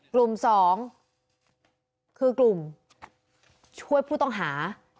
กลุ่ม๒คือกลุ่มช่วยผู้ต้องหา